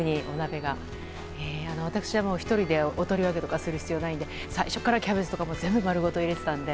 私は、１人なのでお取り寄せとかしないので最初からキャベツとか全部丸ごと入れてたので。